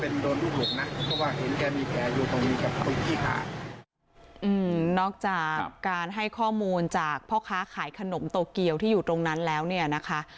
เพราะว่าเห็นแก่มีแก่อยู่ตรงนี้แก่พวกพี่ค่ะอืมนอกจากการให้ข้อมูลจากพ่อค้าขายขนมโตเกียวที่อยู่ตรงนั้นแล้วเนี้ยนะคะ